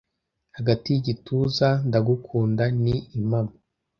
Hagati y'igituza, ndagukunda ni impamo